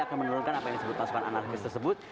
akan menurunkan apa yang disebut pasukan anarkis tersebut